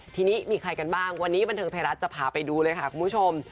ทีนี้มีใครกันบ้างวันนี้บันเทิงไทยรัฐจะพาไปดูเลยค่ะคุณผู้ชม